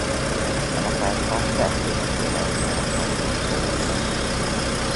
A lakásba fertőzött élelmiszerekkel hurcoljuk be.